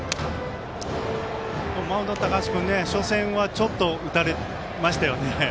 マウンドの高橋君初戦はちょっと打たれましたよね。